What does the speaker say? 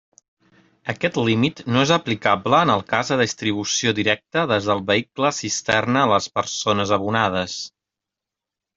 Aquest límit no és aplicable en el cas de distribució directa des del vehicle cisterna a les persones abonades.